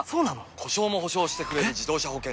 故障も補償してくれる自動車保険といえば？